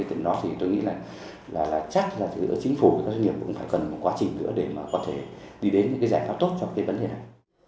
từ đó thì tôi nghĩ là chắc là chính phủ các doanh nghiệp cũng phải cần một quá trình nữa để mà có thể đi đến những giải pháp tốt cho cái vấn đề này